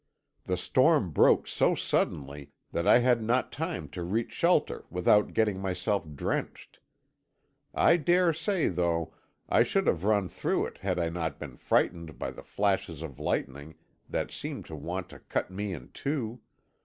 The storm broke so suddenly that I had not time to reach shelter without getting myself drenched. I dare say, though, I should have run through it had I not been frightened by the flashes of lightning that seemed to want to cut me in two.